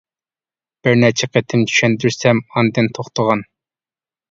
بىر نەچچە قېتىم چۈشەندۈرسەم ئاندىن توختىغان.